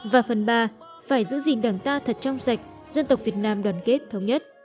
và phần ba phải giữ gìn đảng ta thật trong sạch dân tộc việt nam đoàn kết thống nhất